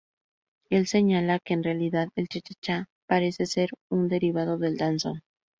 Él señala que en realidad, el chachachá parece ser un derivado del Danzón.